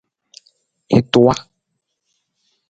I tuwa.